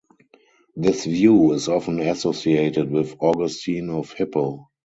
This view is often associated with Augustine of Hippo.